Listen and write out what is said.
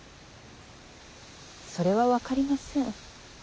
それは分かりません。